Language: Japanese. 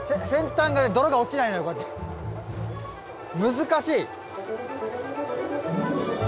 難しい！